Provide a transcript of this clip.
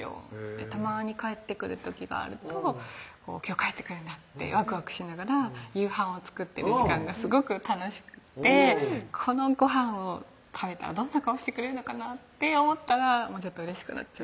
たまに帰ってくる時があると今日帰ってくるんだってわくわくしながら夕飯を作ってる時間がすごく楽しくてこのごはんを食べたらどんな顔してくれるのかなって思ったらちょっとうれしくなっちゃう